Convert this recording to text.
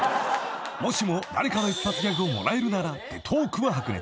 ［「もしも誰かの一発ギャグをもらえるなら」でトークは白熱］